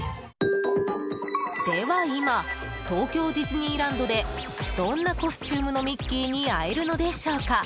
では今、東京ディズニーランドでどんなコスチュームのミッキーに会えるのでしょうか？